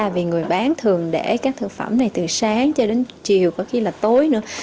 vì người bán thường để các thực phẩm này từ sáng cho đến chiều có khi là tối nữa